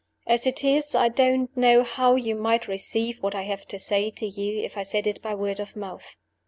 As it is, I don't know how you might receive what I have to say to you if I said it by word of mouth.